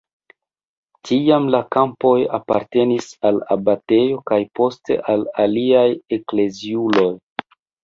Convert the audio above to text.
Tiam la kampoj apartenis al abatejo kaj poste al aliaj ekleziuloj.